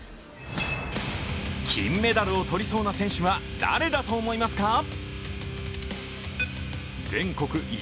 金メダルを取りそうな選手は誰だと思いますか？